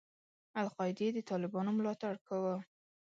القاعدې د طالبانو ملاتړ کاوه.